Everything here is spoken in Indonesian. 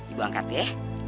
ibu angkat ya